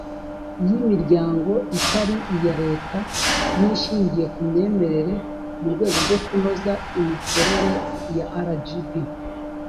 y imiryango itari iya leta n ishingiye ku myemerere mu rwego rwo kunoza imikorere ya rgb